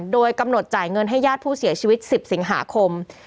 โดยกำหนดจ่ายเงินให้ยาดผู้เสียชีวิต๑๐๐๐๐๐๐๐บาท